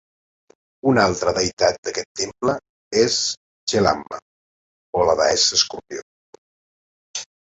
Una altra deïtat d"aquest temple es Chelamma o la deessa escorpió.